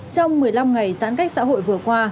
trong một mươi năm ngày giãn cách xã hội vừa qua